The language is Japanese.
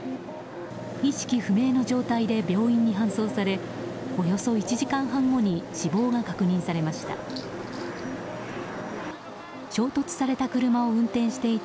意識不明の状態で病院に搬送されおよそ１時間半後に死亡が確認されました。